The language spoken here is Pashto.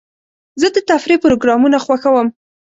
زه د تفریح پروګرامونه خوښوم.